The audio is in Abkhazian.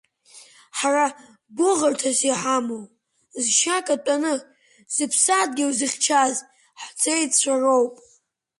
Ҳара гәыӷырҭас иҳамоу, зшьа каҭәаны зыԥсадгьыл зыхьчаз ҳҵеицәа роуп.